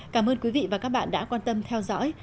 cảm ơn quý vị và các bạn đã quan tâm theo dõi